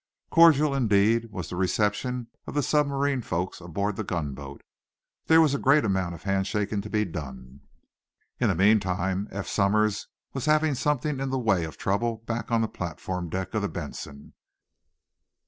Cordial, indeed, was the reception of the submarine folks aboard the gunboat. There was a great amount of handshaking to be done. In the meantime, Eph Somers was having something in the way of trouble back on the platform deck of the "Benson."